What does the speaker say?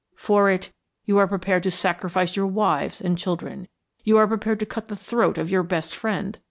For it you are prepared to sacrifice your wives and children, you are prepared to cut the throat of your best friend.